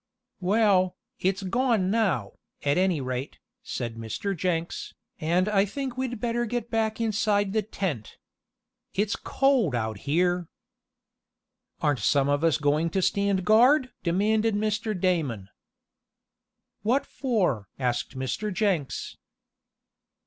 "Well, it's gone now, at any rate," said Mr. Jenks, "and I think we'd better get back inside the tent. It's cold out here." "Aren't some of us going to stand guard?" demanded Mr. Damon. "What for?" asked Mr. Jenks.